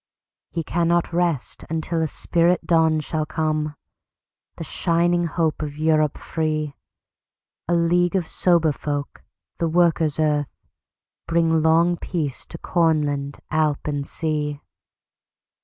He cannot rest until a spirit dawnShall come;—the shining hope of Europe free:A league of sober folk, the Workers' Earth, Bringing long peace to Cornland, Alp and Sea.